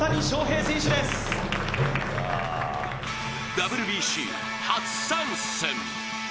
ＷＢＣ初参戦。